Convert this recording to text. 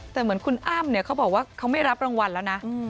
แต่เหมือนคุณอ้ำเนี่ยเขาบอกว่าเขาไม่รับรางวัลแล้วนะ